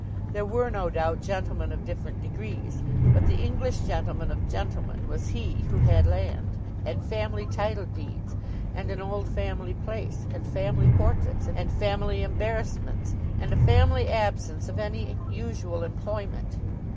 There were no doubt gentlemen of different degrees, but the English gentleman of gentlemen was he who had land, and family title deeds, and an old family place, and family portraits, and family embarrassments, and a family absence of any useful employment.